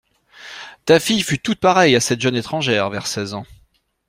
Ta fille fut toute pareille à cette jeune étrangère vers seize ans.